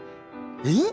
えっ？